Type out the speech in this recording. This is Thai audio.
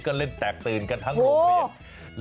ก็เล่นแตกตื่นกันทั้งโรงเรียน